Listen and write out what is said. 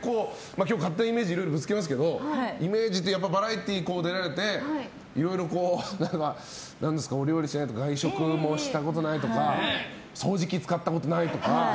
今日勝手なイメージをぶつけますけどイメージでいうとバラエティーに出られていろいろお料理しないとか外食もしたことないとか掃除機使ったことないとか。